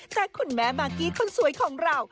แต่คุณแม่มากกี้คนสวยของเรา